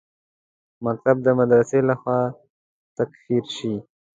مکتب د مدرسې لخوا تکفیر شي.